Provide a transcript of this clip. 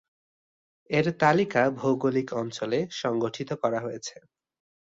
এর তালিকা ভৌগোলিক অঞ্চলে সংগঠিত করা হয়েছে।